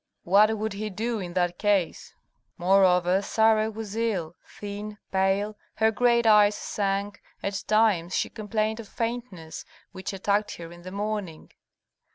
"What would he do in that case?" Moreover Sarah was ill, thin, pale, her great eyes sank; at times she complained of faintness which attacked her in the morning.